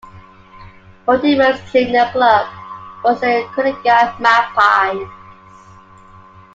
Mortimer's junior club was the Kooringal Magpies.